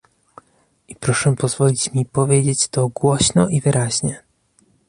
I proszę pozwolić mi powiedzieć to głośno i wyraźnie